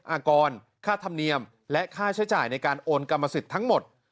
อากรค่าธรรมเนียมและค่าใช้จ่ายในการโอนกรรมสิทธิ์ทั้งหมด